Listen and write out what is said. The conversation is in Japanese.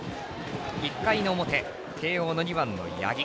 １回の表、慶応の２番の八木。